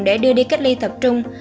để đưa đi cách ly tập trung